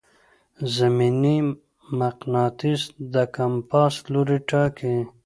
زمیني مقناطیس د کمپاس لوری ټاکي.